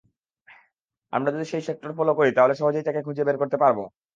আমরা যদি সেই সেক্টর ফলো করি তাহলে সহজেই তাকে খুঁজে বের করতে পারব।